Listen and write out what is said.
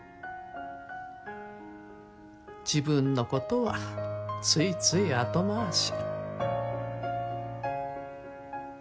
自分のことはついつい後回し。